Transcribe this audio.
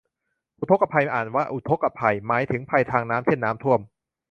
อุทกภัย อ่านว่าอุทกกะไพ หมายถึงภัยทางน้ำ เช่นน้ำท่วม